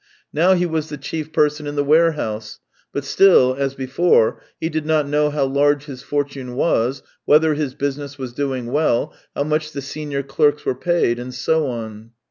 Now he was the chief person in the warehouse, but still, as before, he did not know how large his fortune was, whether his business was doing well, how much the senior clerks were paid, and so on.